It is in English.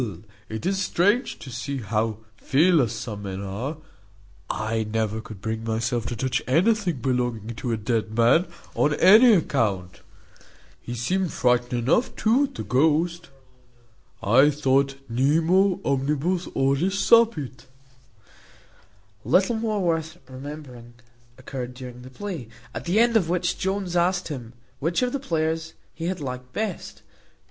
it is strange to see how fearless some men are: I never could bring myself to touch anything belonging to a dead man, on any account. He seemed frightened enough too at the ghost, I thought. Nemo omnibus horis sapit." Little more worth remembering occurred during the play, at the end of which Jones asked him, "Which of the players he had liked best?"